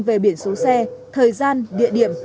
về biển số xe thời gian địa điểm